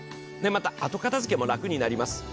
後片づけも楽になります。